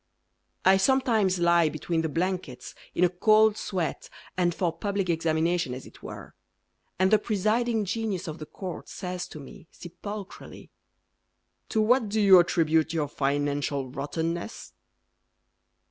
I sometimes lie Between the blankets In a cold sweat And for public examination as it were, And the presiding genius of the court Says to me, sepulchrally, "To what do you attribute your financial rottenness?"